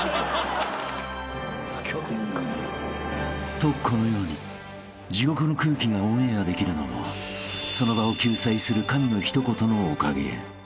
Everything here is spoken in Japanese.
［とこのように地獄の空気がオンエアできるのもその場を救済する神の一言のおかげ］